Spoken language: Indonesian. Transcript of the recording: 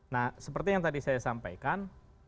nah seperti yang tadi saya sampaikan